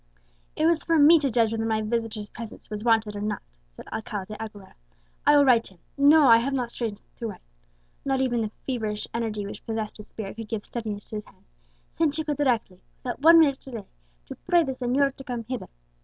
"It was for me to judge whether my visitor's presence was wanted or not," said Alcala de Aguilera. "I will write to him, no, I have not strength to write" (not even the feverish energy which possessed his spirit could give steadiness to his hand) "send Chico directly, without one minute's delay, to pray the señor to come hither.